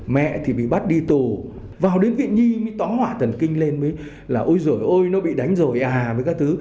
mẹ thì bị bắt đi tù vào đến viện nhi mới tỏ hỏa thần kinh lên mới là ôi dồi ôi nó bị đánh rồi à với các thứ